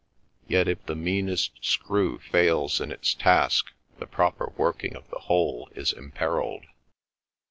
Yet if the meanest screw fails in its task, the proper working of the whole is imperilled."